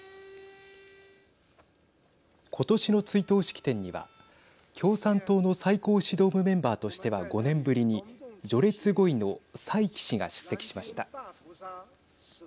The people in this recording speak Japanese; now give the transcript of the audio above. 今年の追悼式典には共産党の最高指導部メンバーとしては５年ぶりに序列５位の蔡奇氏が出席しました。